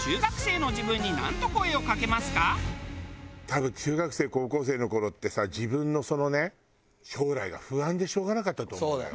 多分中学生高校生の頃ってさ自分のそのね将来が不安でしょうがなかったと思うのよ。